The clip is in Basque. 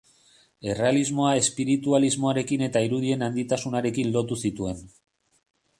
Errealismoa espiritualismoarekin eta irudien handitasunarekin lotu zituen.